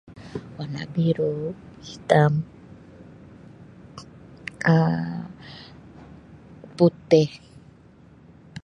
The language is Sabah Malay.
Warna biru hitam Um putih.